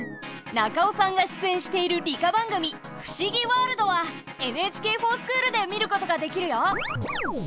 中尾さんが出演している理科番組「ふしぎワールド」は「ＮＨＫｆｏｒＳｃｈｏｏｌ」で見ることができるよ！